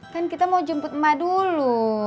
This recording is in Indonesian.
kan kita mau jemput emak dulu